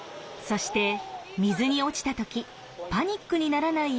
そして水に落ちた時パニックにならないよう潜る練習や。